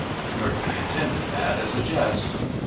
Murphy intended that as a jest.